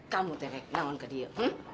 kamu terik naon ke dia